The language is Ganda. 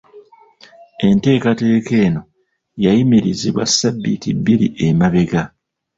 Enteekateeka eno yayimirizibwa ssabiiti bbiri emabega.